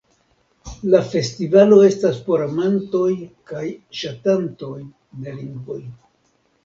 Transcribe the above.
La festivalo estas por amantoj kaj ŝatantoj de lingvoj.